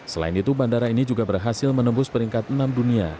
selain itu bandara ini juga berhasil menembus peringkat enam dunia